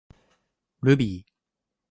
ルビー